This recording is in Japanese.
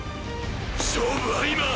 勝負は今！！